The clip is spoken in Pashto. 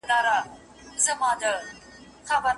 - داکتر شجاعی ،ليکوال، څيړونکی او د پوهنتون استاد.